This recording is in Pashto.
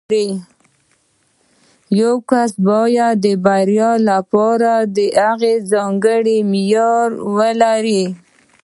یو کس باید د بریا لپاره دغه ځانګړی معیار ولري